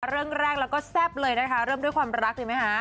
เรื่องแรกแล้วก็แซ่บเลยนะคะเริ่มด้วยความรักดีไหมคะ